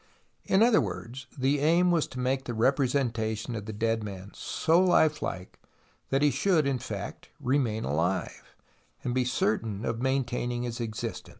In other words, the aim was to make the representation of the dead man so life like that he should, in fact, remain alive, and be certain of maintaining his existence.